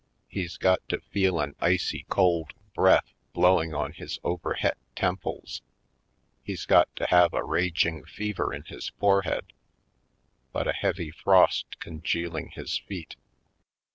He's got to feel an icy cold breath blowing on his overhet temples. He's got to have a raging fever in his forehead, but a heavy frost congealing his feet.